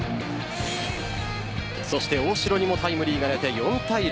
そして大城にもタイムリーが出て４対０。